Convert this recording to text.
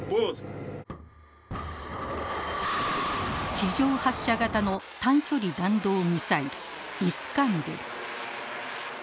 地上発射型の短距離弾道ミサイルイスカンデル。